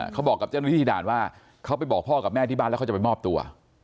เขาบอกกับเจ้าหน้าที่ด่านว่าเขาไปบอกพ่อกับแม่ที่บ้านแล้วเขาจะไปมอบตัว